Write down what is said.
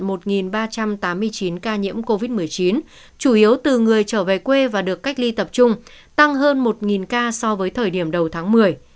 các tỉnh cà mau ghi nhận một ba trăm tám mươi chín ca nhiễm covid một mươi chín chủ yếu từ người trở về quê và được cách ly tập trung tăng hơn một ca so với thời điểm đầu tháng một mươi